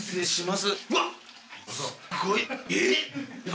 すごいな！